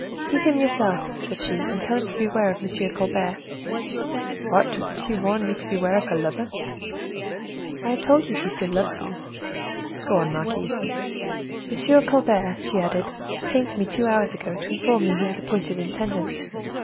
"'See him yourself,' said she, 'and tell him to beware of M. Colbert.'" "What! she warned me to beware of her lover?" "I have told you she still loves you." "Go on, marquise." "'M. Colbert,' she added, 'came to me two hours ago, to inform me he was appointed intendant.